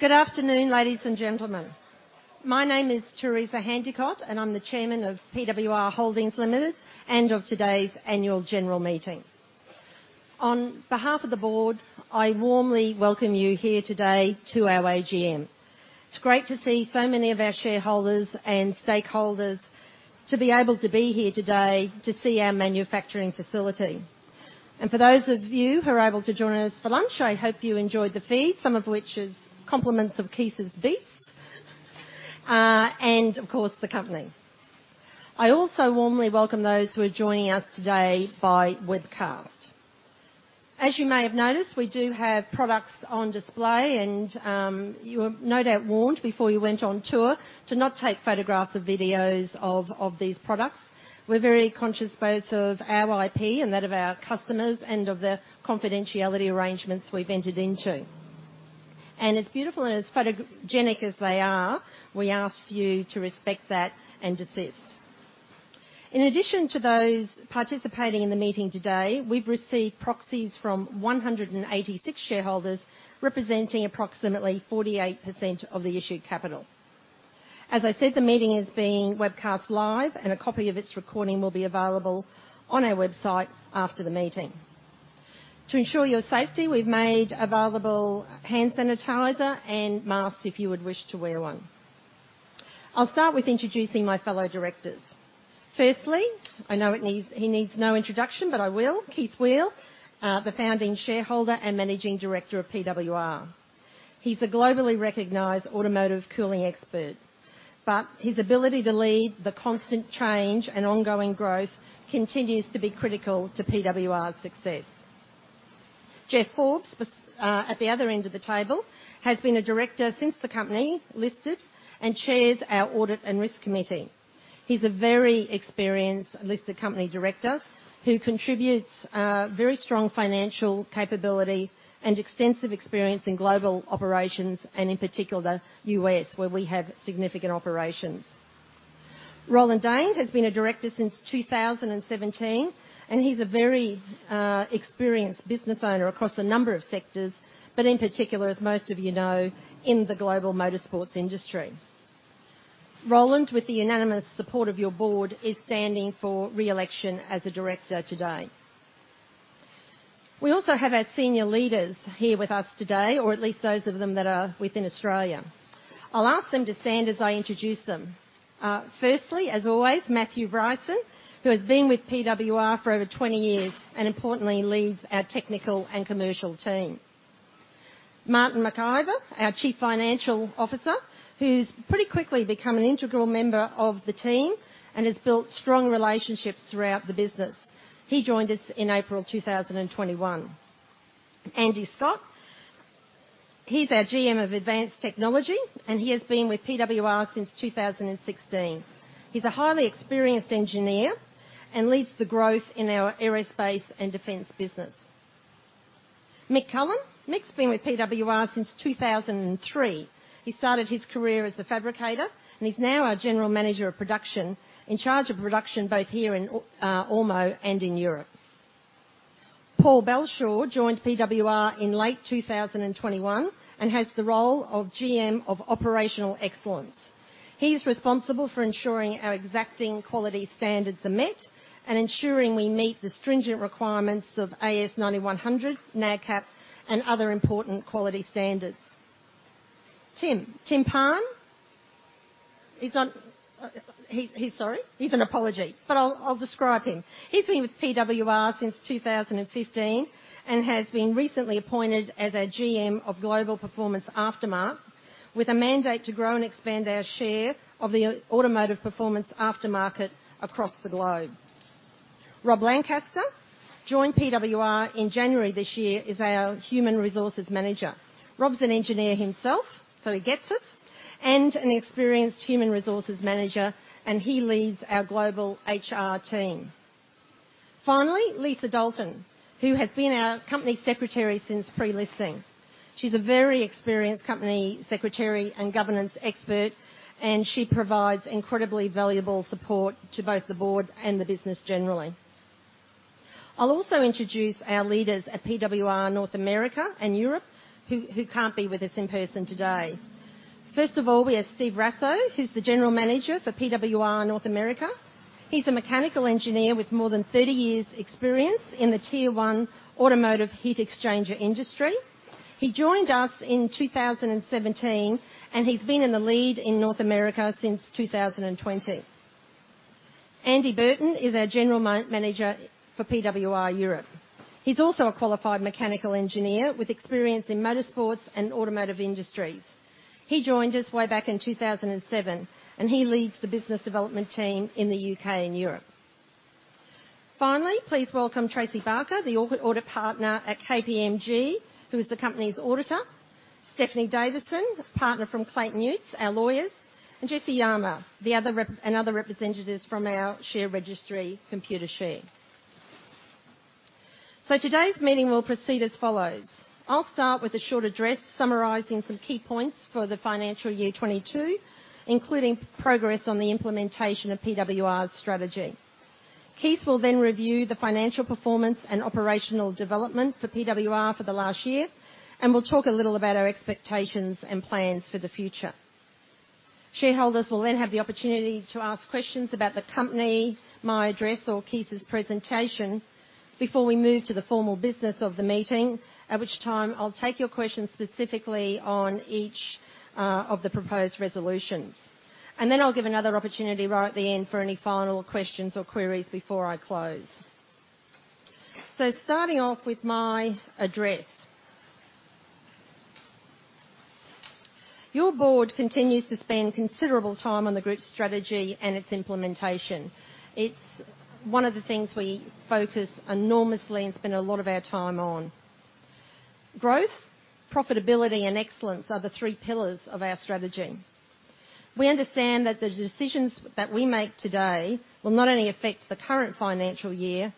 Good afternoon, ladies and gentlemen. My name is Teresa Handicott and I'm the Chairman of PWR Holdings Limited and of today's annual general meeting. On behalf of the board, I warmly welcome you here today to our AGM. It's great to see so many of our shareholders and stakeholders to be able to be here today to see our manufacturing facility. For those of you who are able to join us for lunch, I hope you enjoyed the feast, some of which is compliments of Kees' beefs and of course, the company. I also warmly welcome those who are joining us today by webcast. As you may have noticed, we do have products on display and, you were no doubt warned before you went on tour to not take photographs or videos of these products. We're very conscious both of our IP and that of our customers and of the confidentiality arrangements we've entered into. As beautiful and as photogenic as they are, we ask you to respect that and desist. In addition to those participating in the meeting today, we've received proxies from 186 shareholders, representing approximately 48% of the issued capital. As I said, the meeting is being webcast live and a copy of its recording will be available on our website after the meeting. To ensure your safety, we've made available hand sanitizer and masks if you would wish to wear one. I'll start with introducing my fellow directors. Firstly, I know he needs no introduction but I will. Kees Weel, the founding shareholder and Managing Director of PWR He's a globally recognized automotive cooling expert but his ability to lead the constant change and ongoing growth continues to be critical to PWR's success. Geoff Forbes, at the other end of the table, has been a director since the company listed and chairs our Audit and Risk Committee. He's a very experienced listed company director who contributes very strong financial capability and extensive experience in global operations and in particular, the US, where we have significant operations. Roland Dane has been a director since 2017 and he's a very experienced business owner across a number of sectors but in particular, as most of you know, in the global motorsports industry. Roland, with the unanimous support of your board, is standing for re-election as a director today. We also have our senior leaders here with us today or at least those of them that are within Australia. I'll ask them to stand as I introduce them. Firstly, as always, Matthew Bryson, who has been with PWR for over 20 years and importantly, leads our technical and commercial team. Martin McIver, our Chief Financial Officer, who's pretty quickly become an integral member of the team and has built strong relationships throughout the business. He joined us in April 2021. Andi Scott, he's our GM of Advanced Technology and he has been with PWR since 2016. He's a highly experienced engineer and leads the growth in our aerospace and defense business. Mick Cullen. Mick's been with PWR since 2003. He started his career as a fabricator and he's now our General Manager of Production, in charge of production both here in Ormeau and in Europe. Paul Belshaw joined PWR in late 2021 and has the role of GM of Operational Excellence. He's responsible for ensuring our exacting quality standards are met and ensuring we meet the stringent requirements of AS9100, NADCAP and other important quality standards. Tim Parn has been with PWR since 2015 and has been recently appointed as our GM of Global Performance Aftermarket, with a mandate to grow and expand our share of the automotive performance aftermarket across the globe. Rob Lancaster joined PWR in January this year as our Human Resources Manager. Rob's an engineer himself, so he gets us and an experienced human resources manager and he leads our global HR team. Finally, Lisa Dalton, who has been our company secretary since pre-listing. She's a very experienced company secretary and governance expert and she provides incredibly valuable support to both the board and the business generally. I'll also introduce our leaders at PWR North America and Europe who can't be with us in person today. First of all, we have Steve Rasso, who's the General Manager for PWR North America. He's a mechanical engineer with more than 30 years' experience in the tier one automotive heat exchanger industry. He joined us in 2017 and he's been in the lead in North America since 2020. Andy Burton is our General Manager for PWR Europe. He's also a qualified mechanical engineer with experience in motorsports and automotive industries. He joined us way back in 2007 and he leads the business development team in the U.K. and Europe. Finally, please welcome Tracey Barker, the audit partner at KPMG, who is the company's auditor. Natasha Davidson, partner from Clayton Utz, our lawyers and Jesse Armour and other representatives from our share registry Computershare. Today's meeting will proceed as follows. I'll start with a short address summarizing some key points for the financial year 2022, including progress on the implementation of PWR's strategy. Kees will then review the financial performance and operational development for PWR for the last year and we'll talk a little about our expectations and plans for the future. Shareholders will then have the opportunity to ask questions about the company, my address or Kees's presentation before we move to the formal business of the meeting, at which time I'll take your questions specifically on each of the proposed resolutions. Then I'll give another opportunity right at the end for any final questions or queries before I close. Starting off with my address. Your board continues to spend considerable time on the group's strategy and its implementation. It's one of the things we focus enormously and spend a lot of our time on. Growth, profitability and excellence are the three pillars of our strategy. We understand that the decisions that we make today will not only affect the current financial year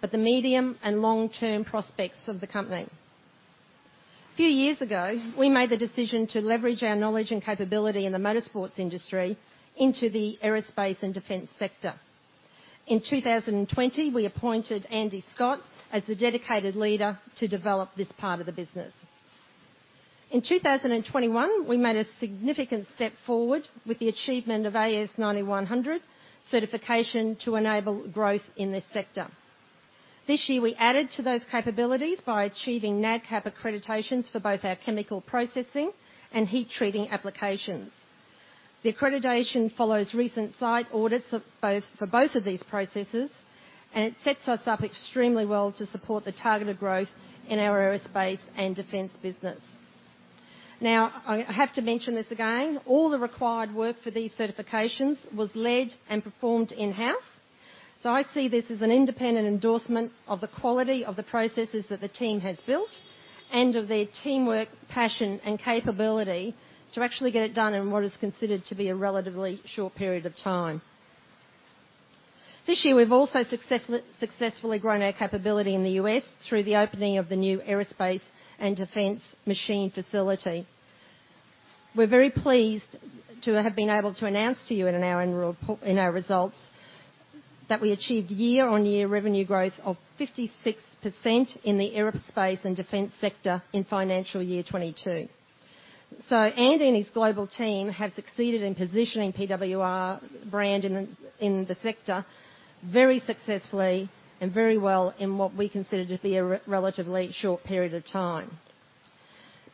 but the medium and long-term prospects of the company. A few years ago, we made the decision to leverage our knowledge and capability in the motorsports industry into the aerospace and defense sector. In 2020, we appointed Andi Scott as the dedicated leader to develop this part of the business. In 2021, we made a significant step forward with the achievement of AS9100 certification to enable growth in this sector. This year, we added to those capabilities by achieving NADCAP accreditations for both our chemical processing and heat treating applications. The accreditation follows recent site audits for both of these processes and it sets us up extremely well to support the targeted growth in our aerospace and defense business. Now, I have to mention this again. All the required work for these certifications was led and performed in-house. I see this as an independent endorsement of the quality of the processes that the team has built and of their teamwork, passion and capability to actually get it done in what is considered to be a relatively short period of time. This year, we've also successfully grown our capability in the U.S. through the opening of the new aerospace and defense machining facility. We're very pleased to have been able to announce to you in our results that we achieved year-on-year revenue growth of 56% in the aerospace and defense sector in financial year 2022. Andy and his global team have succeeded in positioning PWR brand in the sector very successfully and very well in what we consider to be a relatively short period of time.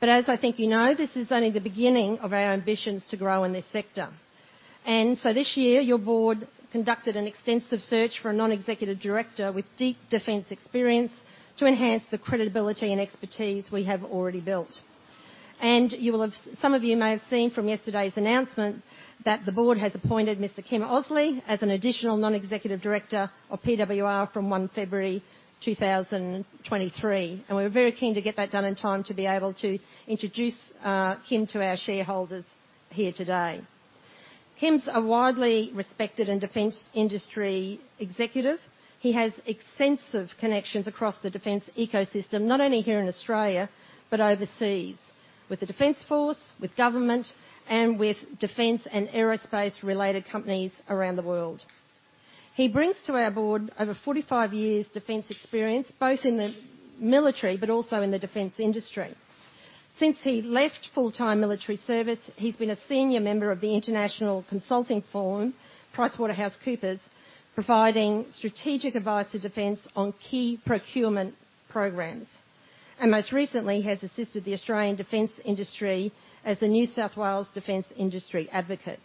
As I think you know, this is only the beginning of our ambitions to grow in this sector. This year, your board conducted an extensive search for a non-executive director with deep defense experience to enhance the credibility and expertise we have already built. Some of you may have seen from yesterday's announcement that the board has appointed Mr. Kym Osley as an additional non-executive director of PWR from 1 February 2023. We were very keen to get that done in time to be able to introduce Kym to our shareholders here today. Kym's a widely respected defense industry executive. He has extensive connections across the defense ecosystem, not only here in Australia but overseas with the Defense Force, with government and with defense and aerospace-related companies around the world. He brings to our board over 45 years defense experience, both in the military but also in the defense industry. Since he left full-time military service, he's been a senior member of the international consulting firm, PricewaterhouseCoopers, providing strategic advice to Defense on key procurement programs and most recently, has assisted the Australian defense industry as the NSW Defence Industry Advocate.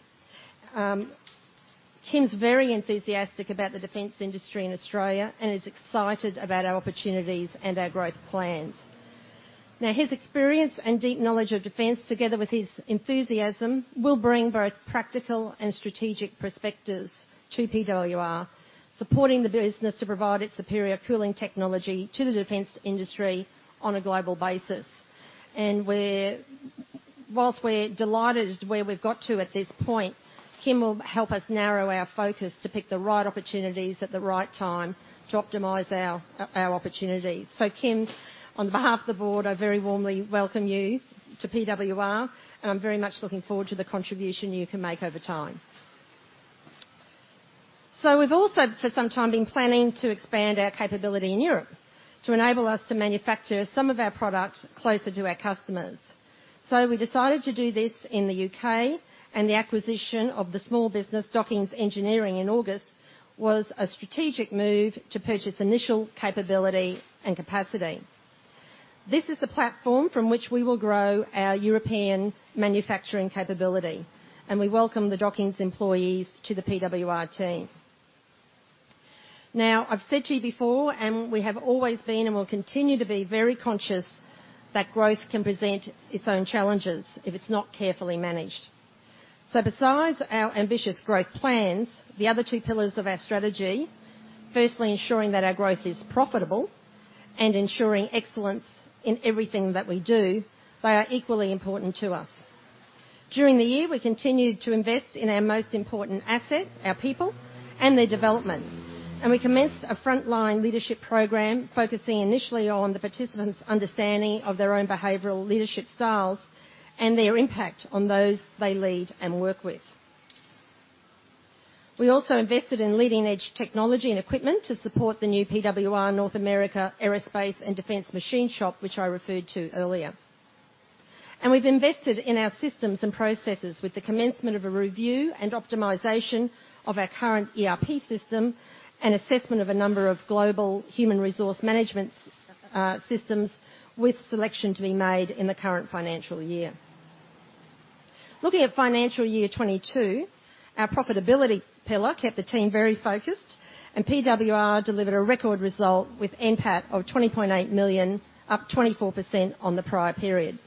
Kym's very enthusiastic about the defense industry in Australia and is excited about our opportunities and our growth plans. Now, his experience and deep knowledge of defense, together with his enthusiasm, will bring both practical and strategic perspectives to PWR, supporting the business to provide its superior cooling technology to the defense industry on a global basis. While we're delighted with where we've got to at this point, Kym will help us narrow our focus to pick the right opportunities at the right time to optimize our opportunities. Kym, on behalf of the board, I very warmly welcome you to PWR and I'm very much looking forward to the contribution you can make over time. We've also, for some time, been planning to expand our capability in Europe to enable us to manufacture some of our products closer to our customers. We decided to do this in the U.K. and the acquisition of the small business, Docking Engineering, in August was a strategic move to purchase initial capability and capacity. This is the platform from which we will grow our European manufacturing capability and we welcome the Docking employees to the PWR team. Now, I've said to you before and we have always been and will continue to be very conscious that growth can present its own challenges if it's not carefully managed. Besides our ambitious growth plans, the other two pillars of our strategy, firstly, ensuring that our growth is profitable and ensuring excellence in everything that we do, they are equally important to us. During the year, we continued to invest in our most important asset, our people and their development. We commenced a frontline leadership program focusing initially on the participants' understanding of their own behavioral leadership styles and their impact on those they lead and work with. We also invested in leading-edge technology and equipment to support the new PWR North America Aerospace and Defense machine shop, which I referred to earlier. We've invested in our systems and processes with the commencement of a review and optimization of our current ERP system and assessment of a number of global human resource management systems with selection to be made in the current financial year. Looking at financial year 2022, our profitability pillar kept the team very focused and PWR delivered a record result with NPAT of 20.8 million, up 24% on the prior period.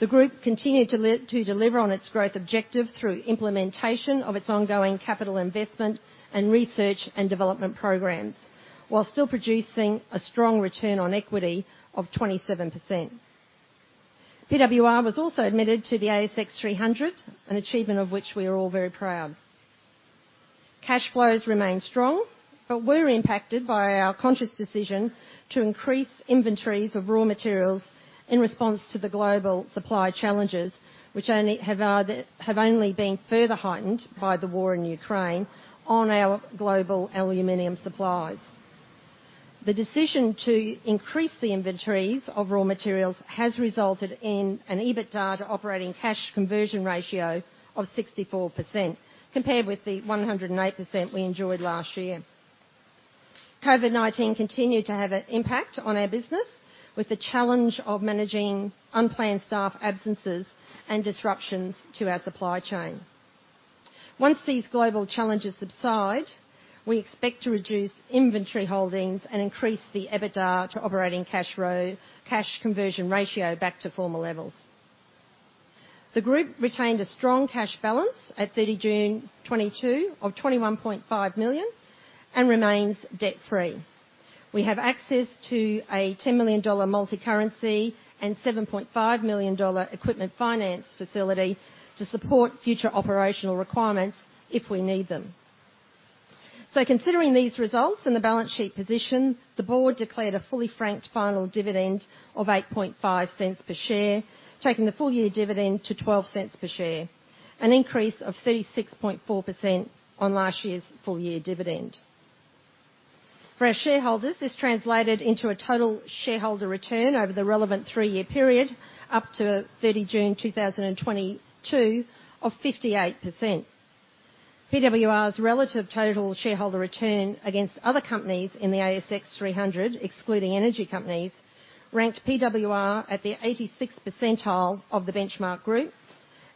The group continued to deliver on its growth objective through implementation of its ongoing capital investment and research and development programs, while still producing a strong return on equity of 27%. PWR was also admitted to the ASX 300, an achievement of which we are all very proud. Cash flows remain strong but were impacted by our conscious decision to increase inventories of raw materials in response to the global supply challenges which only have been further heightened by the war in Ukraine on our global aluminum supplies. The decision to increase the inventories of raw materials has resulted in an EBITDA to operating cash conversion ratio of 64%, compared with the 108% we enjoyed last year. COVID-19 continued to have an impact on our business with the challenge of managing unplanned staff absences and disruptions to our supply chain. Once these global challenges subside, we expect to reduce inventory holdings and increase the EBITDA to operating cash conversion ratio back to former levels. The group retained a strong cash balance at 30 June 2022 of 21.5 million and remains debt-free. We have access to a AUD 10 million multicurrency and AUD 7.5 million equipment finance facility to support future operational requirements if we need them. Considering these results and the balance sheet position, the board declared a fully franked final dividend of 0.085 per share, taking the full year dividend to 0.12 per share, an increase of 36.4% on last year's full year dividend. For our shareholders, this translated into a total shareholder return over the relevant three-year period up to 30 June 2022 of 58%. PWR's relative total shareholder return against other companies in the ASX 300, excluding energy companies, ranked PWR at the 86th percentile of the benchmark group,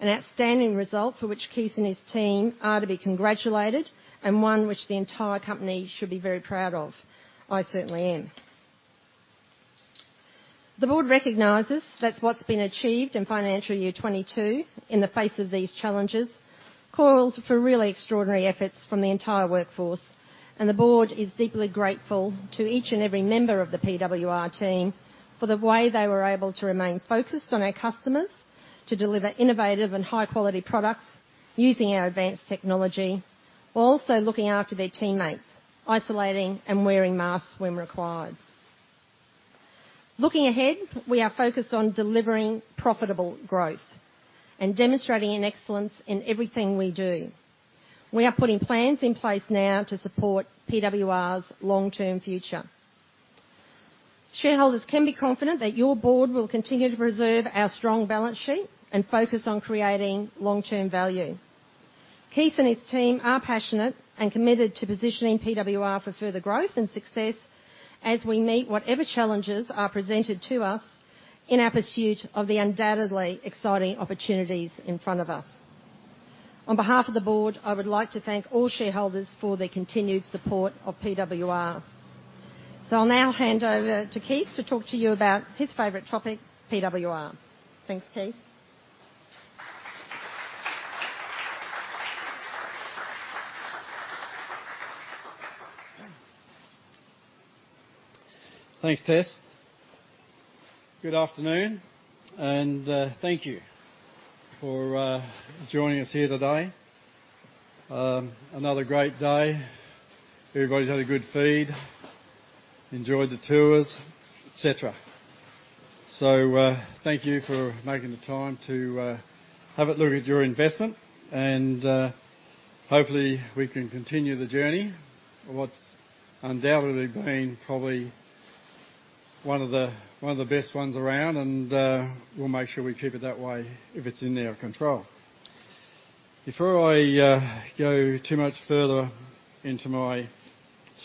an outstanding result for which Kees and his team are to be congratulated and one which the entire company should be very proud of. I certainly am. The board recognizes that what's been achieved in financial year 2022, in the face of these challenges, called for really extraordinary efforts from the entire workforce. The board is deeply grateful to each and every member of the PWR team for the way they were able to remain focused on our customers to deliver innovative and high-quality products using our advanced technology, while also looking after their teammates, isolating and wearing masks when required. Looking ahead, we are focused on delivering profitable growth and demonstrating an excellence in everything we do. We are putting plans in place now to support PWR's long-term future. Shareholders can be confident that your board will continue to preserve our strong balance sheet and focus on creating long-term value. Kees and his team are passionate and committed to positioning PWR for further growth and success as we meet whatever challenges are presented to us in our pursuit of the undoubtedly exciting opportunities in front of us. On behalf of the board, I would like to thank all shareholders for their continued support of PWR. I'll now hand over to Kees to talk to you about his favorite topic, PWR. Thanks, Kees. Thanks, Tess. Good afternoon and thank you for joining us here today. Another great day. Everybody's had a good feed, enjoyed the tours, et cetera. Thank you for making the time to have a look at your investment and hopefully we can continue the journey of what's undoubtedly been probably one of the best ones around and we'll make sure we keep it that way if it's in our control. Before I go too much further into my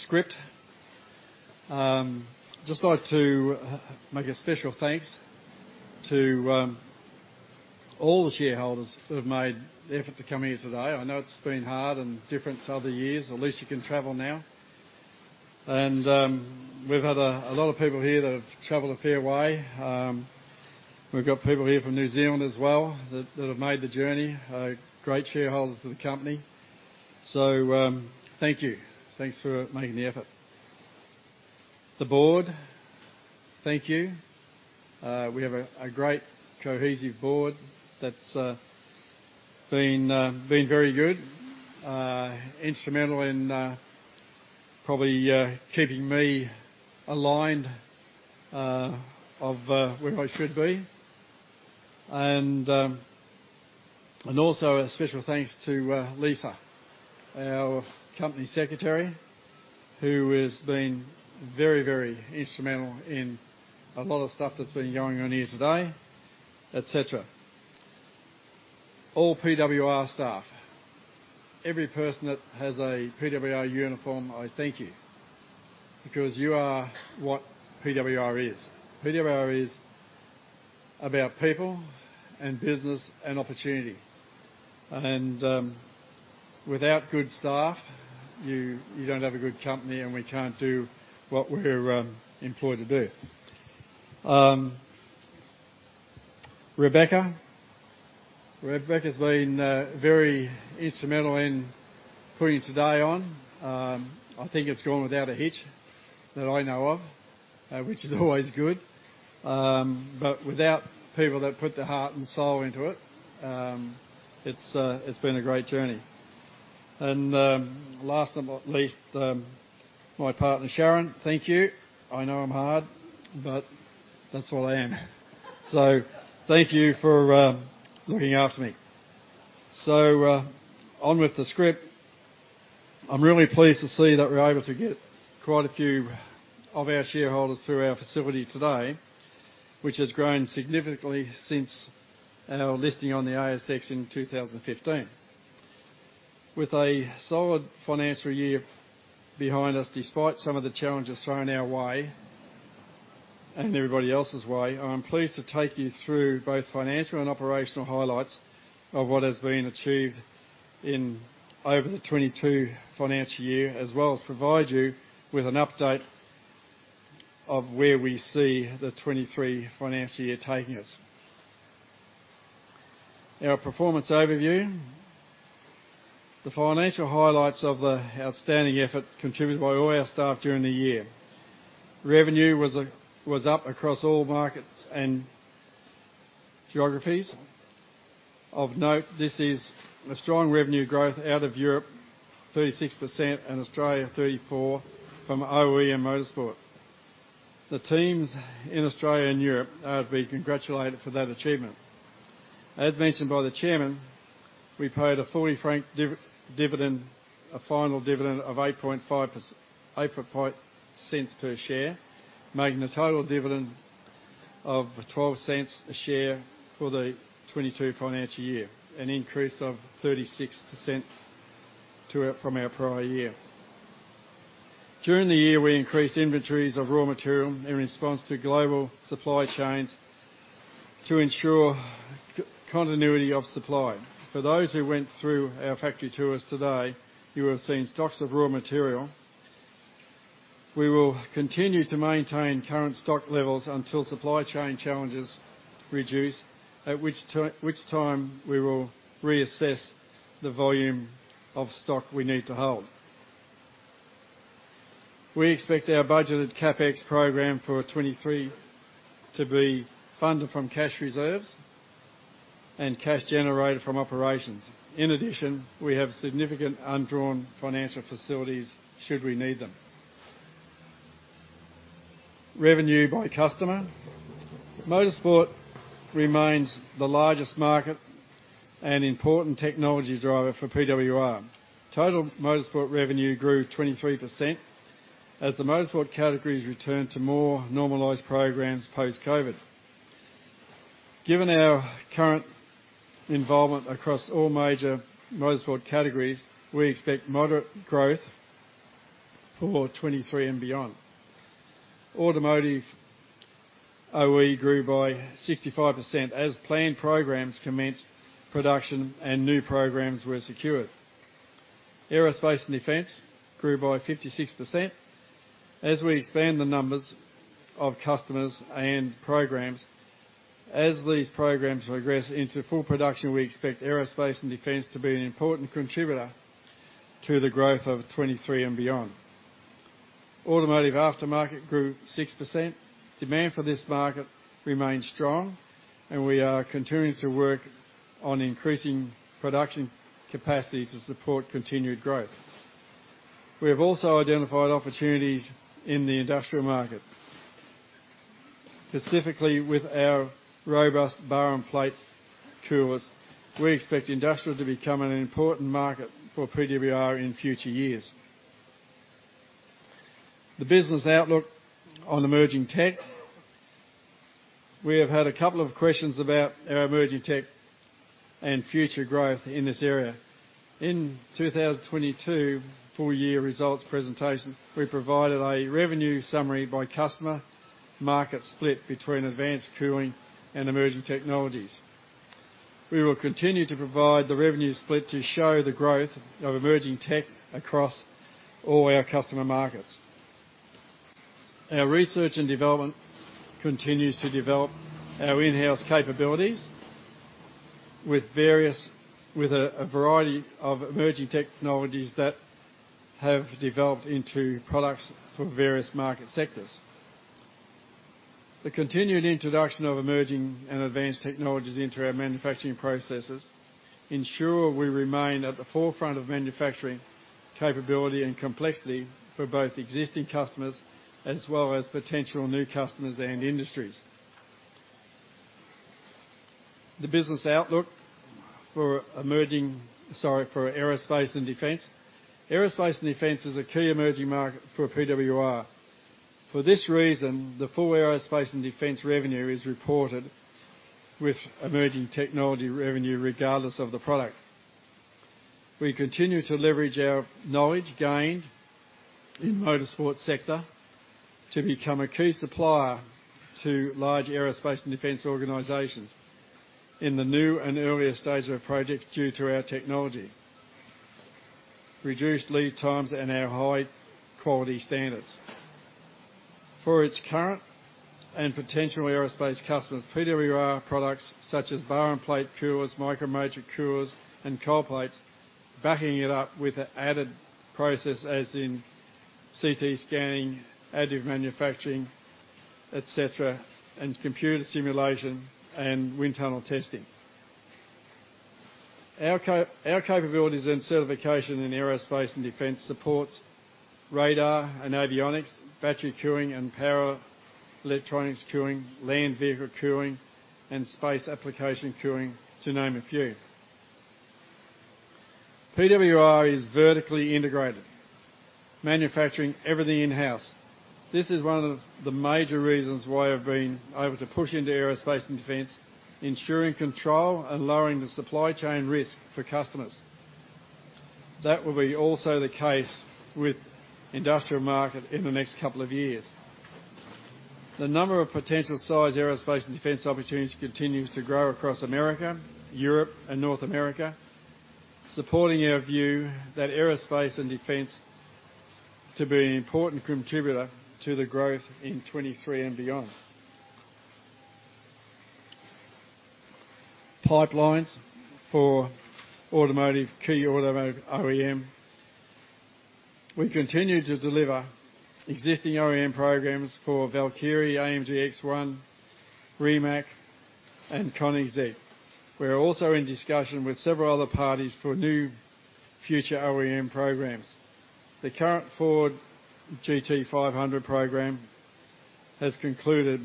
script, just like to make a special thanks to all the shareholders that have made the effort to come here today. I know it's been hard and different to other years. At least you can travel now. We've had a lot of people here that have traveled a fair way. We've got people here from New Zealand as well that have made the journey. Great shareholders to the company. Thank you. Thanks for making the effort. The board, thank you. We have a great cohesive board that's been very good. Instrumental in probably keeping me aligned of where I should be. Also a special thanks to Lisa, our company secretary, who has been very, very instrumental in a lot of stuff that's been going on here today, et cetera. All PWR staff, every person that has a PWR uniform, I thank you because you are what PWR is. PWR is about people and business and opportunity. Without good staff, you don't have a good company and we can't do what we're employed to do. Rebecca. Rebecca's been very instrumental in putting today on. I think it's gone without a hitch, that I know of, which is always good. Without people that put their heart and soul into it's been a great journey. Last but not least, my partner, Sharon. Thank you. I know I'm hard but that's all I am. Thank you for looking after me. On with the script. I'm really pleased to see that we're able to get quite a few of our shareholders through our facility today, which has grown significantly since our listing on the ASX in 2015. With a solid financial year behind us, despite some of the challenges thrown our way and everybody else's way, I'm pleased to take you through both financial and operational highlights of what has been achieved in the 2022 financial year, as well as provide you with an update of where we see the 2023 financial year taking us. Our performance overview. The financial highlights of the outstanding effort contributed by all our staff during the year. Revenue was up across all markets and geographies. Of note, this is a strong revenue growth out of Europe, 36% and Australia, 34% from OE and Motorsport. The teams in Australia and Europe are to be congratulated for that achievement. As mentioned by the chairman, we paid a four cent dividend, a final dividend of 0.085 per share, making a total dividend of 0.12 per share for the 2022 financial year, an increase of 36% from our prior year. During the year, we increased inventories of raw material in response to global supply chains to ensure continuity of supply. For those who went through our factory tours today, you will have seen stocks of raw material. We will continue to maintain current stock levels until supply chain challenges reduce, at which time we will reassess the volume of stock we need to hold. We expect our budgeted CapEx program for 2023 to be funded from cash reserves and cash generated from operations. In addition, we have significant undrawn financial facilities should we need them. Revenue by customer. Motorsport remains the largest market and important technology driver for PWR. Total Motorsport revenue grew 23% as the Motorsport categories returned to more normalized programs post-COVID. Given our current involvement across all major Motorsport categories, we expect moderate growth for 2023 and beyond. Automotive OE grew by 65% as planned programs commenced production and new programs were secured. Aerospace & Defense grew by 56% as we expand the numbers of customers and programs. As these programs progress into full production, we expect Aerospace & Defense to be an important contributor to the growth of 2023 and beyond. Automotive Aftermarket grew 6%. Demand for this market remains strong and we are continuing to work on increasing production capacity to support continued growth. We have also identified opportunities in the industrial market, specifically with our robust bar and plate tools. We expect industrial to become an important market for PWR in future years. The business outlook on emerging tech. We have had a couple of questions about our emerging tech and future growth in this area. In 2022 full year results presentation, we provided a revenue summary by customer market split between advanced cooling and emerging technologies. We will continue to provide the revenue split to show the growth of emerging tech across all our customer markets. Our research and development continues to develop our in-house capabilities with a variety of emerging technologies that have developed into products for various market sectors. The continued introduction of emerging and advanced technologies into our manufacturing processes ensure we remain at the forefront of manufacturing capability and complexity for both existing customers as well as potential new customers and industries. The business outlook for emerging aerospace and defense is a key emerging market for PWR. For this reason, the full aerospace and defense revenue is reported with emerging technology revenue, regardless of the product. We continue to leverage our knowledge gained in motorsport sector to become a key supplier to large aerospace and defense organizations in the new and earlier stages of projects due to our technology, reduced lead times and our high quality standards. For its current and potential aerospace customers, PWR products such as bar and plate cores, microchannel cores and cold plates, backing it up with an added process as in CT scanning, additive manufacturing, et cetera and computer simulation and wind tunnel testing. Our capabilities and certification in aerospace and defense supports radar and avionics, battery cooling and power electronics cooling, land vehicle cooling and space application cooling, to name a few. PWR is vertically integrated, manufacturing everything in-house. This is one of the major reasons why I've been able to push into aerospace and defense, ensuring control and lowering the supply chain risk for customers. That will be also the case with industrial market in the next couple of years. The number of potential size aerospace and defense opportunities continues to grow across America, Europe and North America, supporting our view that aerospace and defense to be an important contributor to the growth in 2023 and beyond. Pipelines for automotive, key automotive OEM. We continue to deliver existing OEM programs for Valkyrie, Mercedes-AMG ONE, Rimac and Koenigsegg. We are also in discussion with several other parties for new future OEM programs. The current Ford GT500 program has concluded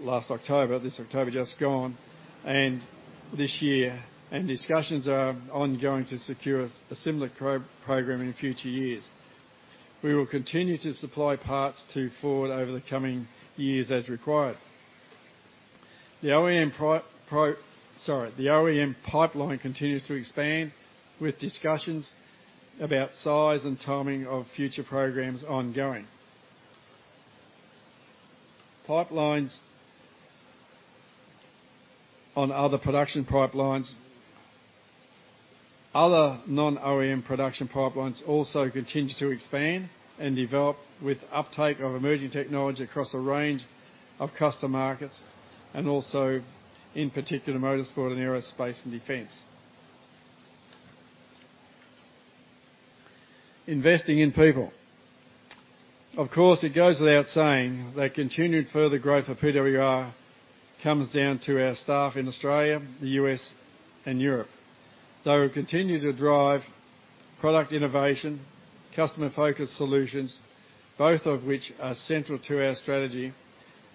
last October, this October just gone and this year. Discussions are ongoing to secure a similar program in future years. We will continue to supply parts to Ford over the coming years as required. Sorry, the OEM pipeline continues to expand with discussions about size and timing of future programs ongoing. Other non-OEM production pipelines also continue to expand and develop with uptake of emerging technology across a range of custom markets and also in particular motorsport and aerospace and defense. Investing in people. Of course, it goes without saying that continued further growth of PWR comes down to our staff in Australia, the U.S. and Europe. They will continue to drive product innovation, customer-focused solutions, both of which are central to our strategy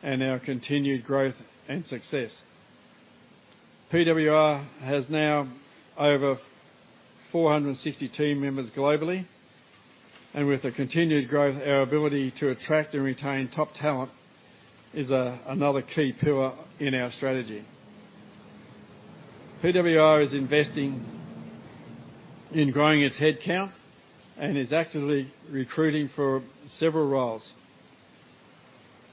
and our continued growth and success. PWR has now over 460 team members globally. With a continued growth, our ability to attract and retain top talent is another key pillar in our strategy. PWR is investing in growing its headcount and is actively recruiting for several roles.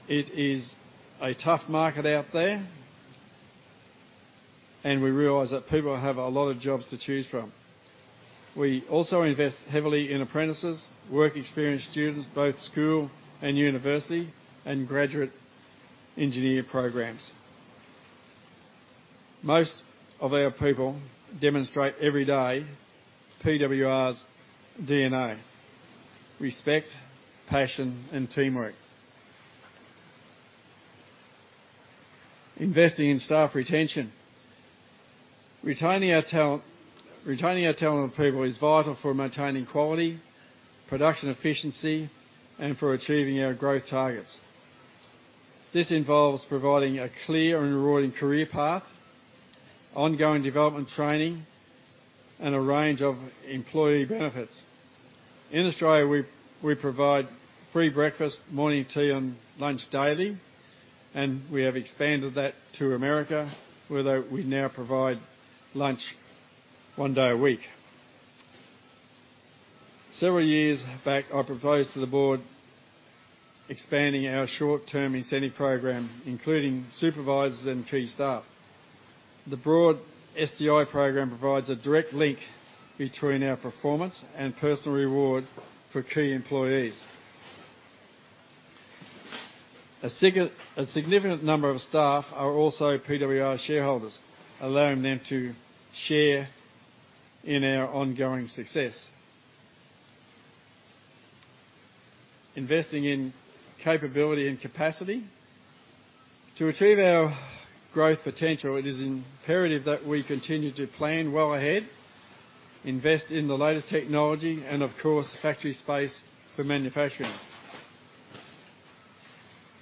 It is a tough market out there and we realize that people have a lot of jobs to choose from. We also invest heavily in apprentices, work experience students, both school and university and graduate engineering programs. Most of our people demonstrate every day PWR's DNA, respect, passion and teamwork. Investing in staff retention. Retaining our talent, retaining our talented people is vital for maintaining quality, production efficiency and for achieving our growth targets. This involves providing a clear and rewarding career path, ongoing development training and a range of employee benefits. In Australia, we provide free breakfast, morning tea and lunch daily and we have expanded that to America, where we now provide lunch one day a week. Several years back, I proposed to the board expanding our short-term incentive program, including supervisors and key staff. The broad STI program provides a direct link between our performance and personal reward for key employees. A significant number of staff are also PWR shareholders, allowing them to share in our ongoing success. Investing in capability and capacity. To achieve our growth potential, it is imperative that we continue to plan well ahead, invest in the latest technology and of course, factory space for manufacturing.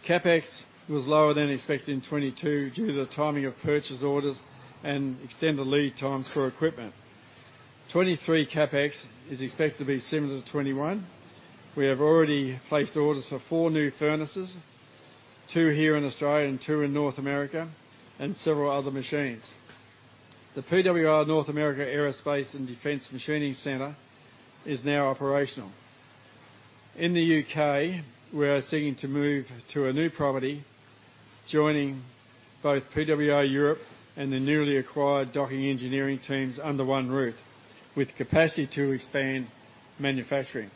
CapEx was lower than expected in 2022 due to the timing of purchase orders and extended lead times for equipment. 2023 CapEx is expected to be similar to 2021. We have already placed orders for four new furnaces, two here in Australia and two in North America and several other machines. The PWR North America Aerospace and Defense Machining Center is now operational. In the U.K., we are seeking to move to a new property, joining both PWR Europe and the newly acquired Docking Engineering teams under one roof, with capacity to expand manufacturing.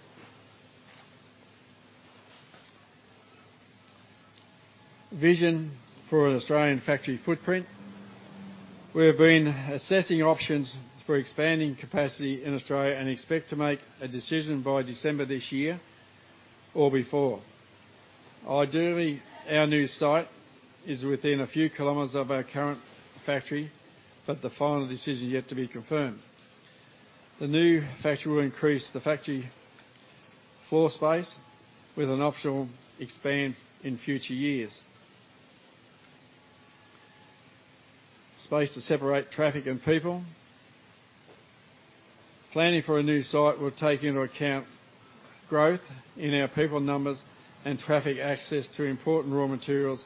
Vision for an Australian factory footprint. We have been assessing options for expanding capacity in Australia and expect to make a decision by December this year or before. Ideally, our new site is within a few kilometers of our current factory but the final decision is yet to be confirmed. The new factory will increase the factory floor space with an optional expansion in future years. Space to separate traffic and people. Planning for a new site will take into account growth in our people numbers and traffic access to important raw materials,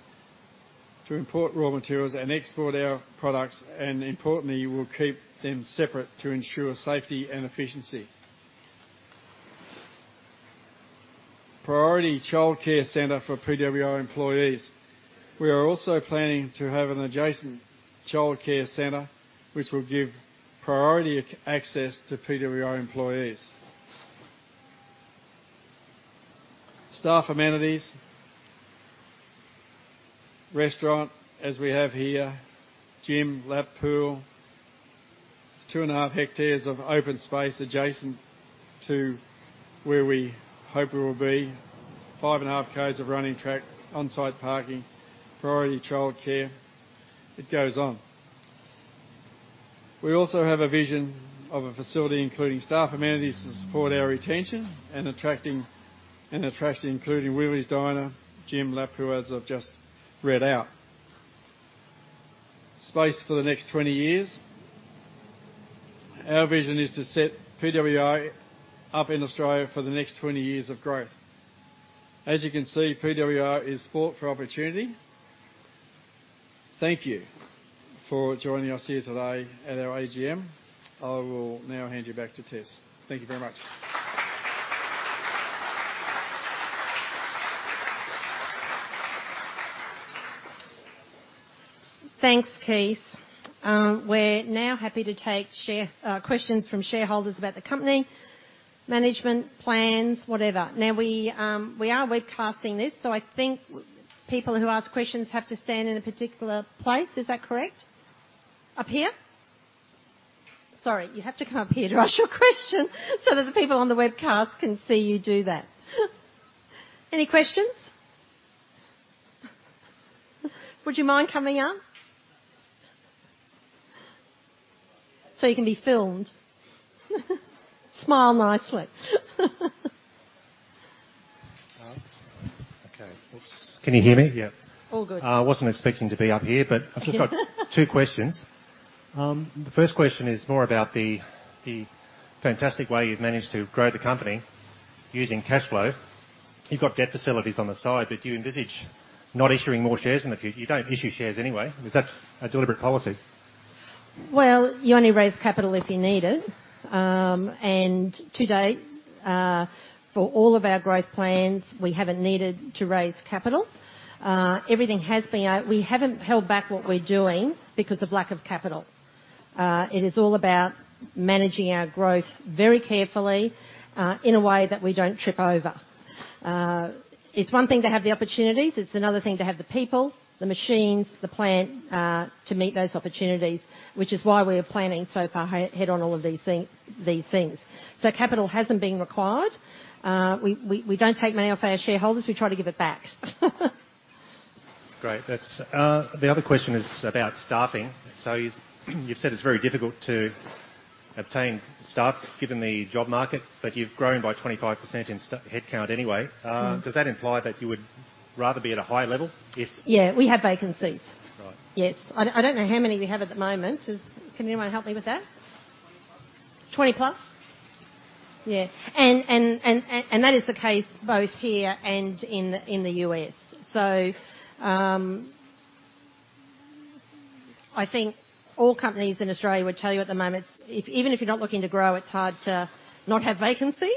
to import raw materials and export our products and importantly, will keep them separate to ensure safety and efficiency. Priority childcare center for PWR employees. We are also planning to have an adjacent childcare center which will give priority access to PWR employees. Staff amenities. Restaurant, as we have here, gym, lap pool, 2.5 hectares of open space adjacent to where we hope we will be, 5.5 km of running track, on-site parking, priority childcare. It goes on. We also have a vision of a facility including staff amenities to support our retention and attracting, including Weely’s Diner, gym, lap pool, as I've just read out. Space for the next 20 years. Our vision is to set PWR up in Australia for the next 20 years of growth. As you can see, PWR is fraught with opportunity. Thank you for joining us here today at our AGM. I will now hand you back to Tess. Thank you very much. Thanks, Kees. We're now happy to take shareholder questions from shareholders about the company, management, plans, whatever. Now we are webcasting this, so I think people who ask questions have to stand in a particular place. Is that correct? Up here? Sorry, you have to come up here to ask your question so that the people on the webcast can see you do that. Any questions? Would you mind coming up? You can be filmed. Smile nicely. Okay. Oops. Can you hear me? Yeah. All good. I wasn't expecting to be up here. I've just got two questions. The first question is more about the fantastic way you've managed to grow the company using cash flow. You've got debt facilities on the side but do you envisage not issuing more shares in the future? You don't issue shares anyway. Is that a deliberate policy? Well, you only raise capital if you need it. To date, for all of our growth plans, we haven't needed to raise capital. We haven't held back what we're doing because of lack of capital. It is all about managing our growth very carefully, in a way that we don't trip over. It's one thing to have the opportunities. It's another thing to have the people, the machines, the plant, to meet those opportunities, which is why we are planning so far ahead on all of these things. Capital hasn't been required. We don't take money off our shareholders. We try to give it back. Great. That's. The other question is about staffing. You've said it's very difficult to obtain staff given the job market but you've grown by 25% in headcount anyway. Does that imply that you would rather be at a higher level if? Yeah, we have vacancies. Yes. I don't know how many we have at the moment. Can anyone help me with that? 20-plus? Yeah. That is the case both here and in the U.S. I think all companies in Australia would tell you at the moment, even if you're not looking to grow, it's hard to not have vacancies.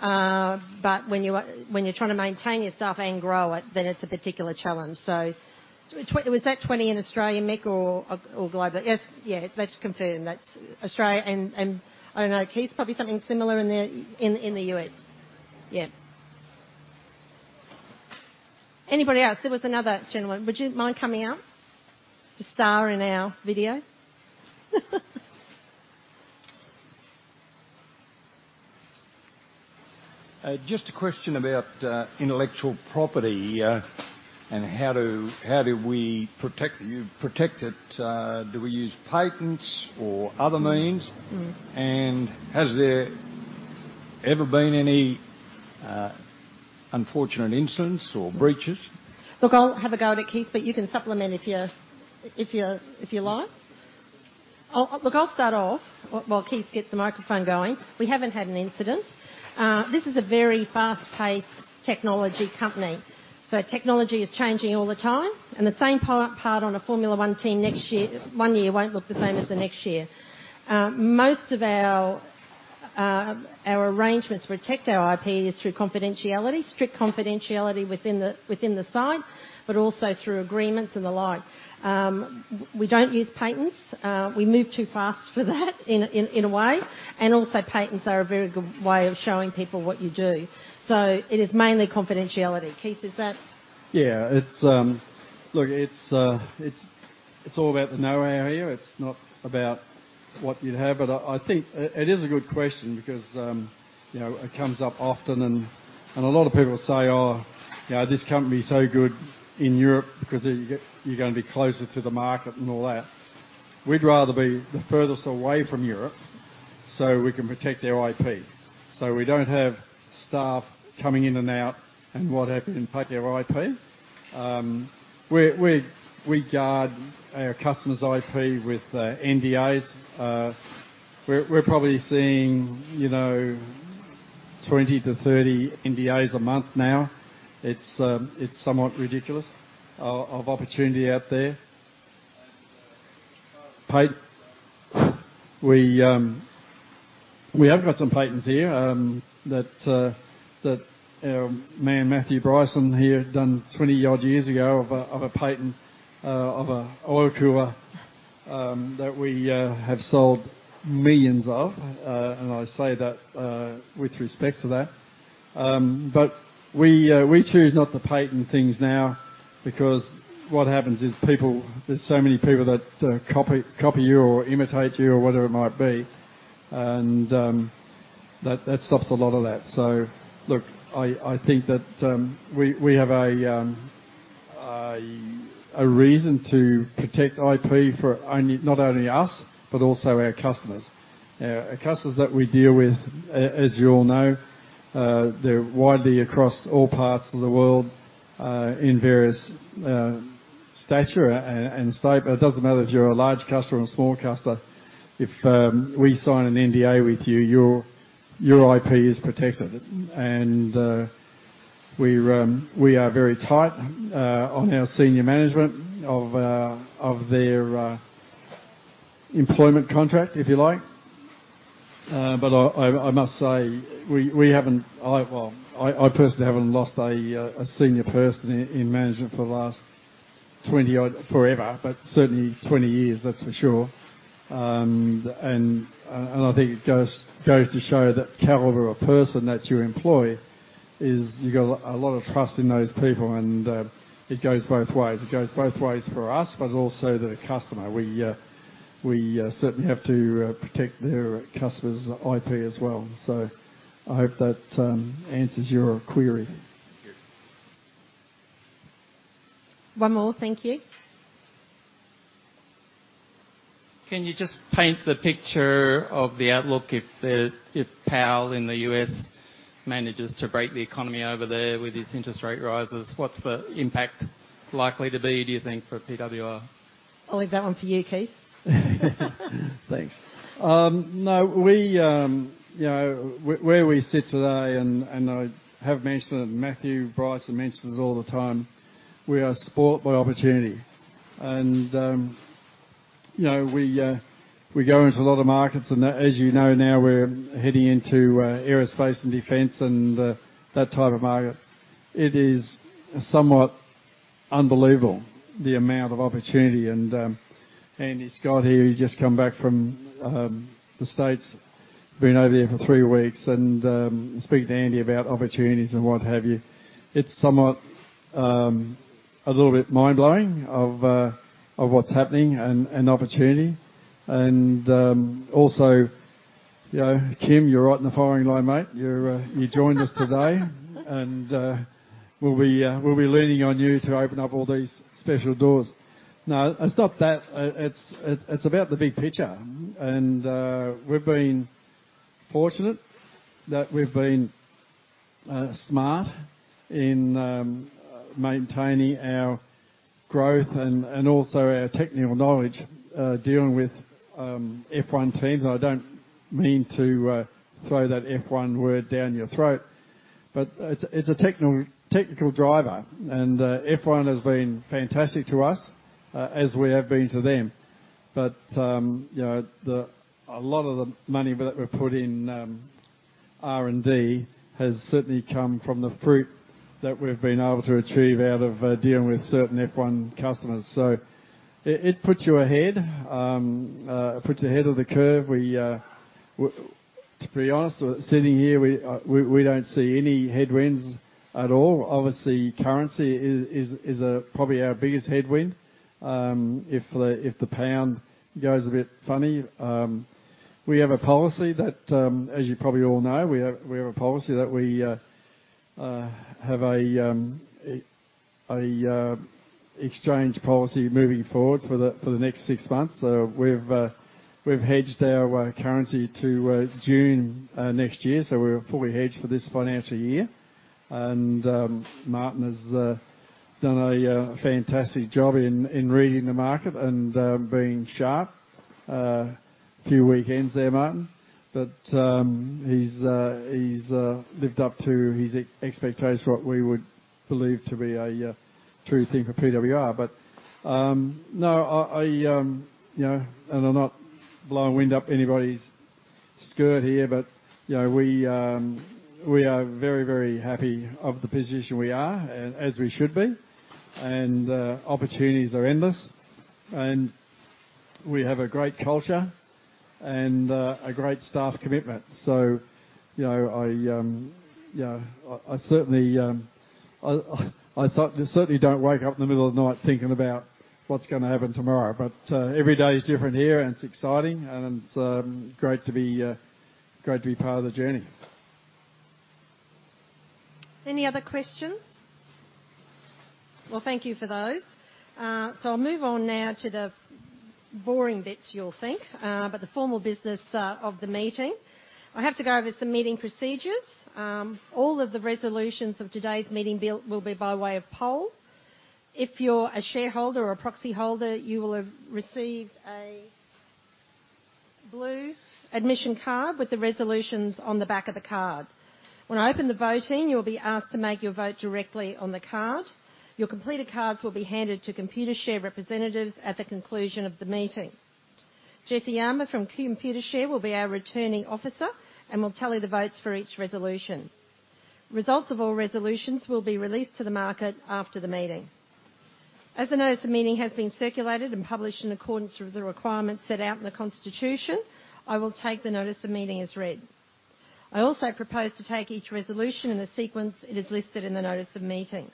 When you're trying to maintain your staff and grow it, then it's a particular challenge. Was that 20 in Australia, Mick or global? Yes. Yeah. Let's confirm. That's Australia and I don't know, Kees, probably something similar in the US. Yeah. Anybody else? There was another gentleman. Would you mind coming up to star in our video? Just a question about intellectual property and how do you protect it? Do we use patents or other means? Has there ever been any unfortunate incidents or breaches? Look, I'll have a go at it, Kees but you can supplement if you're, if you like. Oh, look, I'll start off while Kees gets the microphone going. We haven't had an incident. This is a very fast-paced technology company, so technology is changing all the time. The same part on a Formula One team next year one year won't look the same as the next year. Most of our arrangements protect our IP is through confidentiality, strict confidentiality within the site but also through agreements and the like. We don't use patents. We move too fast for that in a way. Also patents are a very good way of showing people what you do. It is mainly confidentiality. Kees, is that? Yeah. It's all about the know-how. It's not about what you have. I think it is a good question because, you know, it comes up often and a lot of people say, "Oh, you know, this company is so good in Europe because you're gonna be closer to the market," and all that. We'd rather be the furthest away from Europe so we can protect our IP, so we don't have staff coming in and out and what have you and take our IP. We guard our customers' IP with NDAs. We're probably seeing, you know, 20-30 NDAs a month now. It's somewhat ridiculous amount of opportunity out there. We have got some patents here that our man Matthew Bryson here done 20-odd years ago of a patent of a oil cooler that we have sold millions of. I say that with respect to that. We choose not to patent things now because what happens is people, there's so many people that copy you or imitate you or whatever it might be and that stops a lot of that. Look, I think that we have a reason to protect IP not only for us but also our customers. Our customers that we deal with, as you all know, they're widely across all parts of the world in various stature and state. It doesn't matter if you're a large customer or small customer. If we sign an NDA with you, your IP is protected. We are very tight on our senior management of their employment contract, if you like. I must say we haven't. Well, I personally haven't lost a senior person in management for the last 20 odd forever but certainly 20 years, that's for sure. I think it goes to show the caliber of person that you employ is you got a lot of trust in those people and it goes both ways. It goes both ways for us but also the customer. We certainly have to protect their customers' IP as well. I hope that answers your query. Thank you. One more. Thank you. Can you just paint the picture of the outlook if Powell in the U.S. manages to break the economy over there with his interest rate rises? What's the impact likely to be, do you think, for PWR? I'll leave that one for you, Kees. Thanks. No. We, you know, where we sit today and I have mentioned it, Matthew Bryson mentions this all the time, we are spoiled by opportunity. You know, we go into a lot of markets and as you know now we're heading into aerospace and defense and that type of market. It is somewhat unbelievable the amount of opportunity. Andi Scott here, he's just come back from the States. Been over there for three weeks and speak to Andi about opportunities and what have you. It's somewhat a little bit mind-blowing of what's happening and opportunity. Also, you know, Kym, you're right in the firing line, mate. You joined us today and we'll be leaning on you to open up all these special doors. No, it's not that. It's about the big picture. We've been fortunate that we've been smart in maintaining our growth and also our technical knowledge, dealing with F1 teams. I don't mean to throw that F1 word down your throat but it's a technical driver. F1 has been fantastic to us, as we have been to them. You know, a lot of the money that we've put in R&D has certainly come from the fruit that we've been able to achieve out of dealing with certain F1 customers. It puts you ahead of the curve. To be honest, sitting here, we don't see any headwinds at all. Obviously, currency is probably our biggest headwind. If the pound goes a bit funny, we have a policy that, as you probably all know, we have an exchange policy moving forward for the next six months. We've hedged our currency to June next year, so we're fully hedged for this financial year. Martin has done a fantastic job in reading the market and being sharp. Few weekends there, Martin but he's lived up to his expectations what we would believe to be a true thing for PWR. No, you know, I'm not blowing wind up anybody's skirt here but you know, we are very, very happy of the position we are and as we should be. Opportunities are endless. We have a great culture and a great staff commitment. You know, I certainly don't wake up in the middle of the night thinking about what's gonna happen tomorrow. Every day is different here and it's exciting and great to be part of the journey. Any other questions? Well, thank you for those. I'll move on now to the boring bits you'll think but the formal business of the meeting. I have to go over some meeting procedures. All of the resolutions of today's meeting will be by way of poll. If you're a shareholder or proxyholder, you will have received a blue admission card with the resolutions on the back of the card. When I open the voting, you will be asked to make your vote directly on the card. Your completed cards will be handed to Computershare representatives at the conclusion of the meeting. Jesse Armour from Computershare will be our Returning Officer and will tally the votes for each resolution. Results of all resolutions will be released to the market after the meeting. As the notice of meeting has been circulated and published in accordance with the requirements set out in the constitution, I will take the notice of meeting as read. I also propose to take each resolution in the sequence it is listed in the notice of meeting.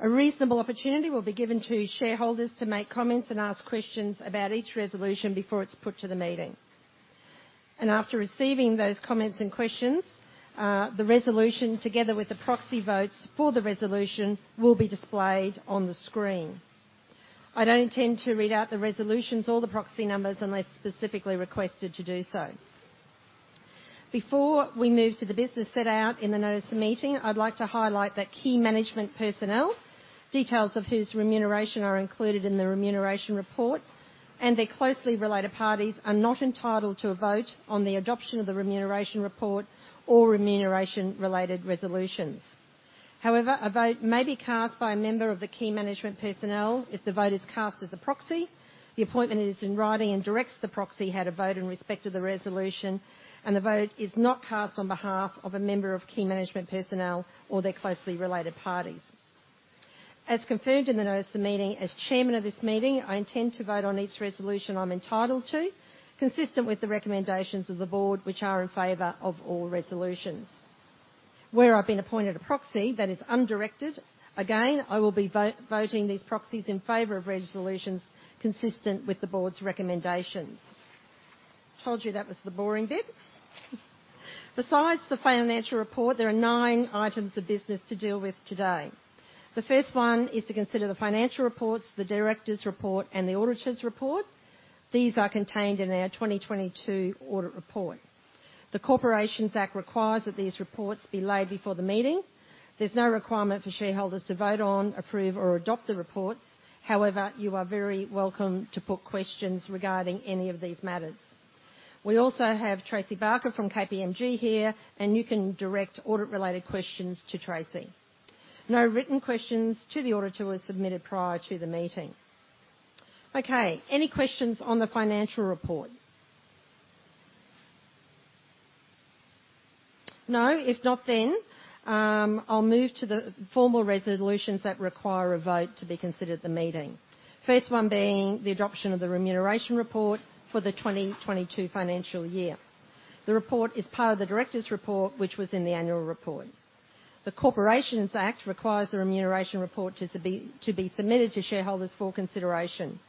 A reasonable opportunity will be given to shareholders to make comments and ask questions about each resolution before it's put to the meeting. After receiving those comments and questions, the resolution, together with the proxy votes for the resolution, will be displayed on the screen. I don't intend to read out the resolutions or the proxy numbers unless specifically requested to do so. Before we move to the business set out in the notice of meeting, I'd like to highlight that key management personnel, details of whose remuneration are included in the remuneration report and their closely related parties are not entitled to a vote on the adoption of the remuneration report or remuneration related resolutions. However, a vote may be cast by a member of the key management personnel if the vote is cast as a proxy, the appointment is in writing and directs the proxy how to vote in respect to the resolution and the vote is not cast on behalf of a member of key management personnel or their closely related parties. As confirmed in the notice of meeting, as chairman of this meeting, I intend to vote on each resolution I'm entitled to, consistent with the recommendations of the board, which are in favor of all resolutions. Where I've been appointed a proxy that is undirected, again, I will be voting these proxies in favor of resolutions consistent with the board's recommendations. Told you that was the boring bit. Besides the financial report, there are nine items of business to deal with today. The first one is to consider the financial reports, the directors' report and the auditor's report. These are contained in our 2022 audit report. The Corporations Act requires that these reports be laid before the meeting. There's no requirement for shareholders to vote on, approve or adopt the reports. However, you are very welcome to put questions regarding any of these matters. We also have Tracey Barker from KPMG here and you can direct audit related questions to Tracey. No written questions to the auditor were submitted prior to the meeting. Okay, any questions on the financial report? No? If not, I'll move to the formal resolutions that require a vote to be considered at the meeting. First one being the adoption of the remuneration report for the 2022 financial year. The report is part of the directors' report, which was in the annual report. The Corporations Act requires the remuneration report to be submitted to shareholders for consideration.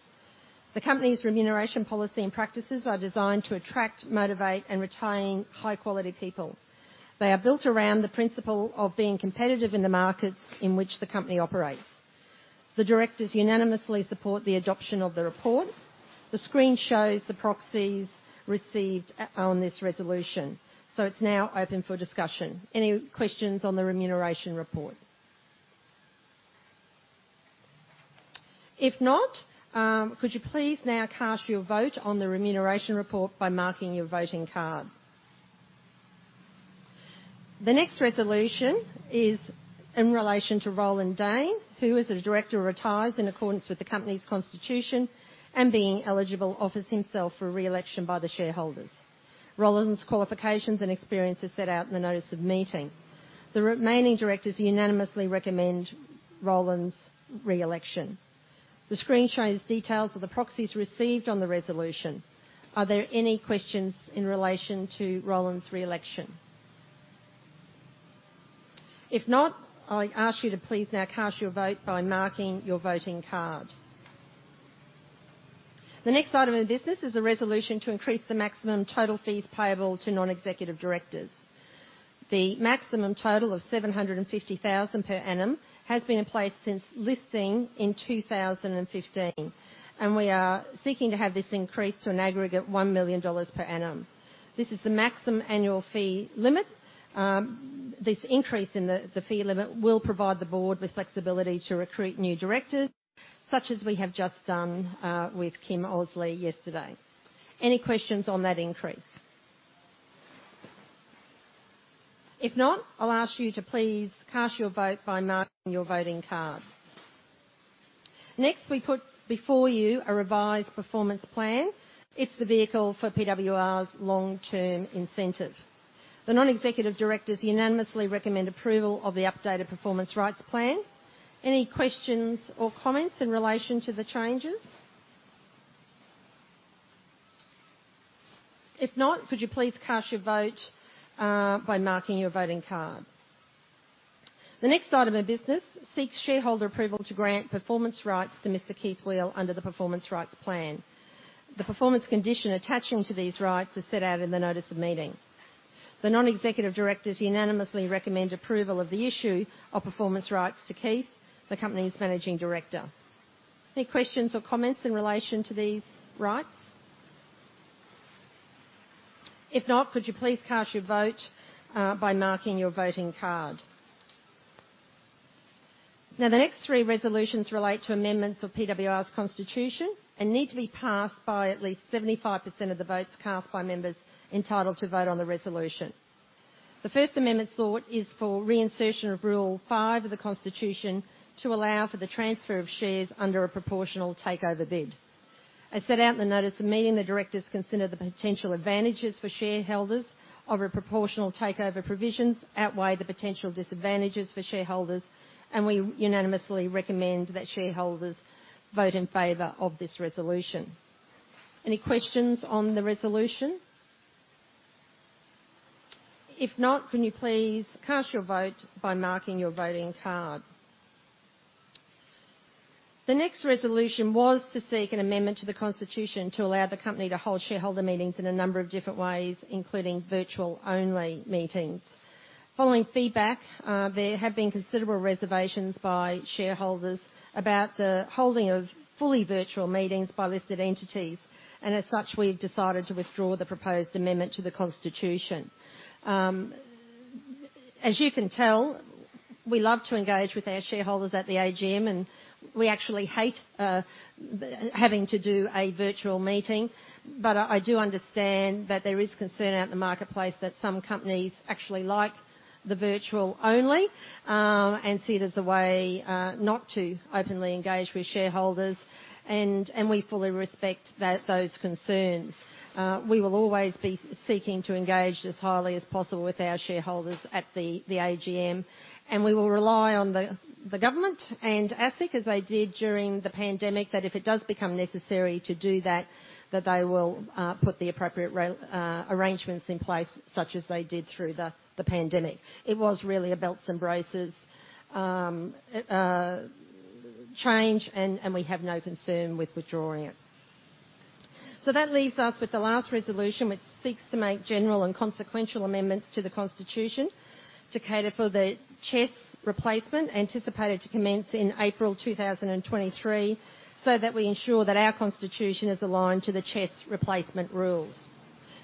The company's remuneration policy and practices are designed to attract, motivate and retain high-quality people. They are built around the principle of being competitive in the markets in which the company operates. The directors unanimously support the adoption of the report. The screen shows the proxies received on this resolution. It's now open for discussion. Any questions on the remuneration report? If not, could you please now cast your vote on the remuneration report by marking your voting card. The next resolution is in relation to Roland Dane, who as a director retires in accordance with the company's constitution and being eligible, offers himself for re-election by the shareholders. Roland's qualifications and experience are set out in the notice of meeting. The remaining directors unanimously recommend Roland's re-election. The screen shows details of the proxies received on the resolution. Are there any questions in relation to Roland's re-election? If not, I ask you to please now cast your vote by marking your voting card. The next item of business is a resolution to increase the maximum total fees payable to non-executive directors. The maximum total of 750,000 per annum has been in place since listing in 2015 and we are seeking to have this increased to an aggregate 1 million dollars per annum. This is the maximum annual fee limit. This increase in the fee limit will provide the board with flexibility to recruit new directors, such as we have just done with Kym Osley yesterday. Any questions on that increase? If not, I'll ask you to please cast your vote by marking your voting card. Next, we put before you a revised performance plan. It's the vehicle for PWR's long-term incentive. The non-executive directors unanimously recommend approval of the updated performance rights plan. Any questions or comments in relation to the changes? If not, could you please cast your vote by marking your voting card. The next item of business seeks shareholder approval to grant performance rights to Mr. Kees Weel under the performance rights plan. The performance condition attaching to these rights is set out in the notice of meeting. The non-executive directors unanimously recommend approval of the issue of performance rights to Kees, the company's managing director. Any questions or comments in relation to these rights? If not, could you please cast your vote by marking your voting card. Now, the next three resolutions relate to amendments of PWR's constitution and need to be passed by at least 75% of the votes cast by members entitled to vote on the resolution. The first amendment sought is for reinsertion of Rule 5 of the Constitution to allow for the transfer of shares under a proportional takeover bid. As set out in the notice of meeting, the directors consider the potential advantages for shareholders of a proportional takeover provisions outweigh the potential disadvantages for shareholders and we unanimously recommend that shareholders vote in favor of this resolution. Any questions on the resolution? If not, can you please cast your vote by marking your voting card. The next resolution was to seek an amendment to the Constitution to allow the company to hold shareholder meetings in a number of different ways, including virtual-only meetings. Following feedback, there have been considerable reservations by shareholders about the holding of fully virtual meetings by listed entities and as such, we've decided to withdraw the proposed amendment to the Constitution. As you can tell, we love to engage with our shareholders at the AGM and we actually hate having to do a virtual meeting. I do understand that there is concern at the marketplace that some companies actually like the virtual-only and see it as a way not to openly engage with shareholders and we fully respect those concerns. We will always be seeking to engage as highly as possible with our shareholders at the AGM and we will rely on the government and ASIC as they did during the pandemic, that if it does become necessary to do that they will put the appropriate arrangements in place such as they did through the pandemic. It was really a belts and braces change and we have no concern with withdrawing it. That leaves us with the last resolution, which seeks to make general and consequential amendments to the Constitution to cater for the CHESS replacement, anticipated to commence in April 2023, so that we ensure that our Constitution is aligned to the CHESS replacement rules.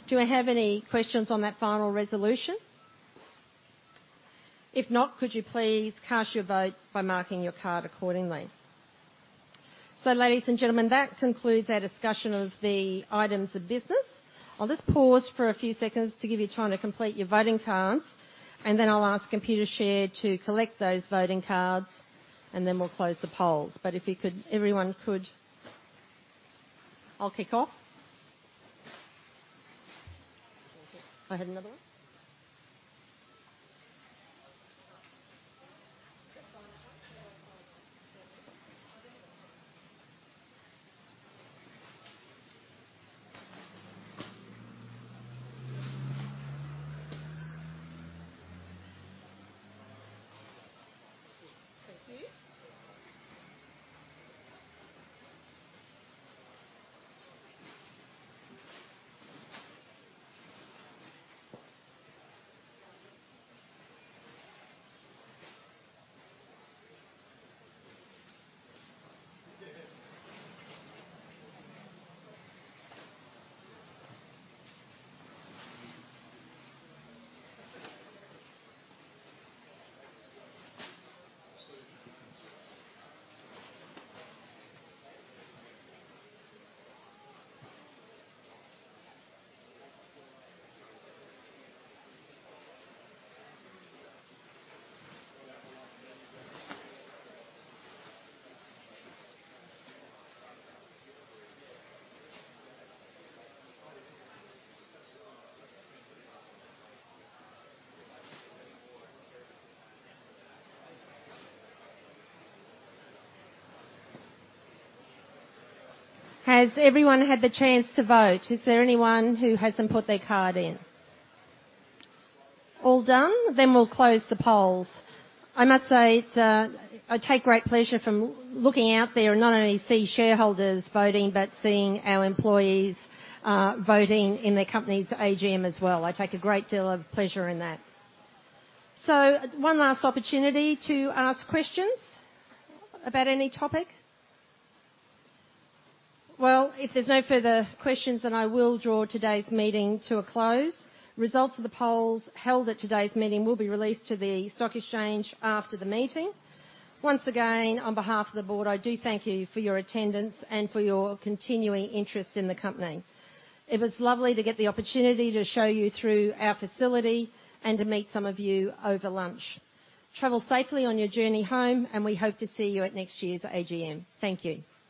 Do I have any questions on that final resolution? If not, could you please cast your vote by marking your card accordingly. Ladies and gentlemen, that concludes our discussion of the items of business. I'll just pause for a few seconds to give you time to complete your voting cards and then I'll ask Computershare to collect those voting cards and then we'll close the polls. I'll kick off. I had another one? Thank you. Has everyone had the chance to vote? Is there anyone who hasn't put their card in? All done? We'll close the polls. I must say it's, I take great pleasure from looking out there and not only see shareholders voting but seeing our employees, voting in the company's AGM as well. I take a great deal of pleasure in that. One last opportunity to ask questions about any topic. Well, if there's no further questions, then I will draw today's meeting to a close. Results of the polls held at today's meeting will be released to the stock exchange after the meeting. Once again, on behalf of the board, I do thank you for your attendance and for your continuing interest in the company. It was lovely to get the opportunity to show you through our facility and to meet some of you over lunch. Travel safely on your journey home and we hope to see you at next year's AGM. Thank you.